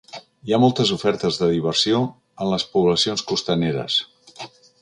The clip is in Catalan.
Hi ha moltes ofertes de diversió en les poblacions costaneres.